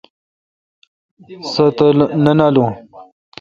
سو تہ نہ نالوں۔